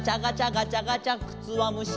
ガチャガチャくつわむし」